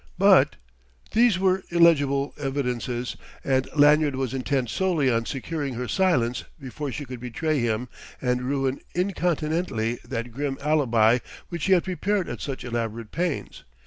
But these were illegible evidences, and Lanyard was intent solely on securing her silence before she could betray him and ruin incontinently that grim alibi which he had prepared at such elaborate pains.